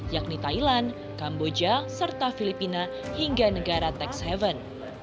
yakni thailand kamboja serta filipina hingga negara texthaven